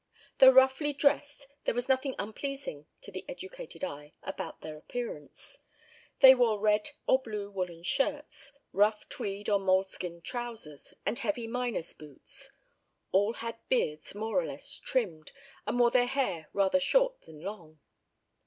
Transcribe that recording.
Though roughly dressed, there was nothing unpleasing to the educated eye about their appearance. They wore red or blue woollen shirts, rough tweed or moleskin trousers, and heavy miners' boots. All had beards more or less trimmed, and wore their hair rather short than long.